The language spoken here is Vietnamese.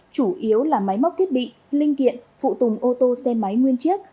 chủ yếu là máy móc thiết bị linh kiện phụ tùng ô tô xe máy nguyên chiếc